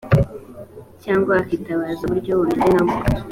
cyangwa akitabaza uburyo bumeze nka bwo